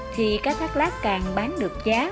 thì cá thác lát càng bán được giá